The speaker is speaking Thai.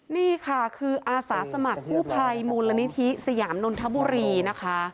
นี่ค่ะคืออาสาสมัครกู้ภัยมูลนิธิสยามนนทบุรีนะคะ